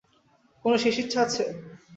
কোনো শেষ ইচ্ছা আছে?